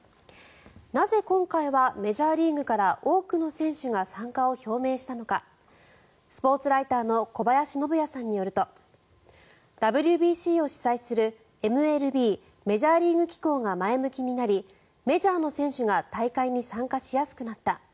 なぜ、今回はメジャーリーグから多くの選手が参加を表明したのかスポーツライターの小林信也さんによりますとＷＢＣを主催するＭＬＢ・メジャーリーグ機構が前向きになりメジャーの選手が大会に参加しやすくなった。